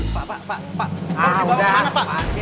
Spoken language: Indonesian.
pak pak pak